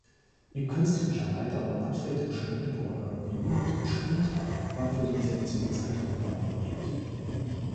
Ihr künstlerischer Leiter war Manfred Schneckenburger, Wieland Schmied war für die Sektion Zeichnung verantwortlich.